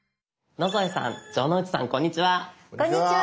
野添さん城之内さんこんにちは。